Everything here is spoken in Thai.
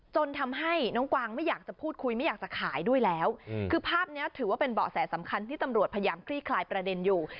จนทำให้น้องกวางไม่อยากจะพูดคุยไม่อยากจะขายด้วยแล้วคือภาพนี้ถือว่าเป็นเบาะแสสำคัญที่ตำรวจพยายามคลี่คลายประเด็นอยู่